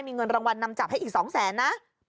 มีเงินรางวัลนำจับให้อีก๒แสนนะ